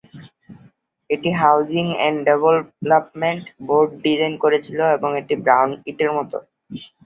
এটি housing and development board design করেছিল এবং এটি ব্রাউন ইটের মত।